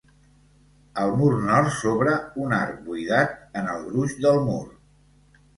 Al mur nord s'obre un arc, buidat en el gruix del mur.